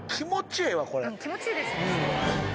気持ちいいですねすごい。